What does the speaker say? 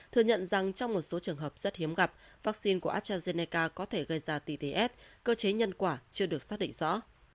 thừa nhận rằng trong một số trường hợp rất hiếm gặp vaccine của astrazeneca có thể gây ra tts cơ chế nhân quả chưa được xác định rõ